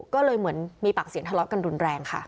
ก็เลยเหมือนมีปากเสียงทะเลาะกันรุนแรงค่ะ